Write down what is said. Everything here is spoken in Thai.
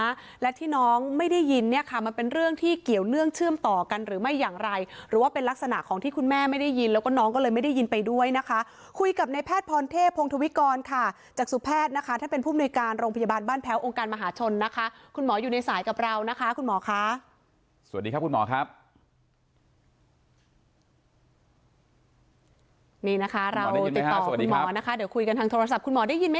สีฟ้าและที่น้องไม่ได้ยินเนี่ยค่ะมันเป็นเรื่องที่เกี่ยวเนื่องเชื่อมต่อกันหรือไม่อย่างไรหรือว่าเป็นลักษณะของที่คุณแม่ไม่ได้ยินแล้วก็น้องก็เลยไม่ได้ยินไปด้วยนะคะคุยกับในแพทย์พรเทพงธวิกรค่ะจากสุพแพทย์นะคะถ้าเป็นผู้บริการโรงพยาบาลบ้านแพ้วองค์การมหาชนนะคะคุณหมออยู่ในสายกับเรานะคะคุณหมอ